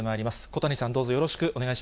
小谷さん、どうぞよろしくお願い